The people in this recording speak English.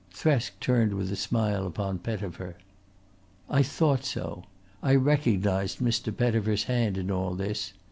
Thresk turned with a smile upon Pettifer. "I thought so. I recognised Mr. Pettifer's hand in all this.